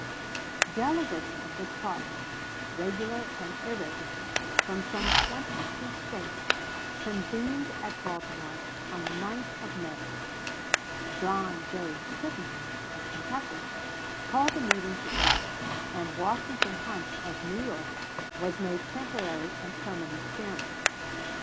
1860. Delegates of this party, regular and irregular, from some twenty two States, convened at Baltimore on the 9th of May. John J. Crittenden, of Kentucky, called the meeting to order, and Washington Hunt, of New York, was made temporary and permanent chairman.